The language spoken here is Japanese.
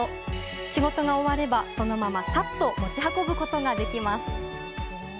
仕事が終わればそのままサッと持ち運ぶことができます。